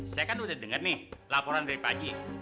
saya kan udah dengar nih laporan dari pagi